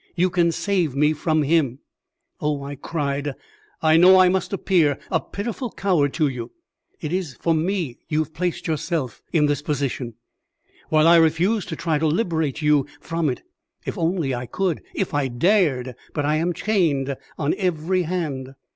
You can save me from him." "Oh," I cried, "I know I must appear a pitiful coward to you. It is for me you have placed yourself in this position, while I refuse to try to liberate you from it. If I only could; if I dared! But I am chained on every hand."